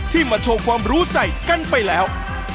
มาโชว์ความรู้ใจกันไปแล้ว